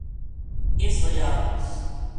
اس وجہ